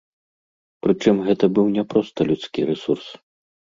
Прычым гэта быў не проста людскі рэсурс.